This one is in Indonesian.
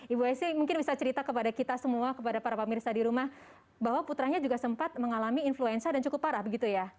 ibu essi mungkin bisa cerita kepada kita semua kepada para pemirsa di rumah bahwa putranya juga sempat mengalami influenza dan cukup parah begitu ya